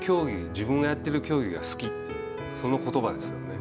自分がやっている競技が好きというそのことばですよね。